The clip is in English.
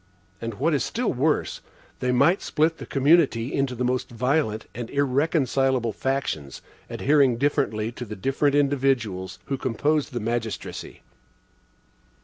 And what is still worse, they might split the community into the most violent and irreconcilable factions, adhering differently to the different individuals who composed the magistracy.